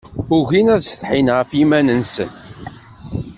Ugin ad setḥin ɣef yiman-nsen.